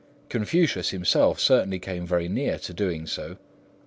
Confucius himself certainly came very near to doing so.